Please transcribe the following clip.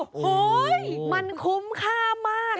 โอ้โฮมันคุ้มค่ามาก